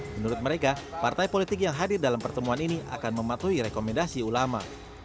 menurut mereka partai politik yang hadir dalam pertemuan ini akan mematuhi rekomendasi ulama